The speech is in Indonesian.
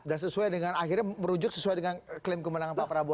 dan sesuai dengan akhirnya merujuk sesuai dengan klaim kemenangan pak prabowo